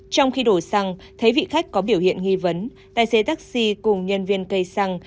trong khi đổ xăng thấy vị khách có biểu hiện nghi vấn tài xế taxi cùng nhân viên cây xăng